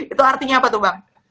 itu artinya apa tuh bang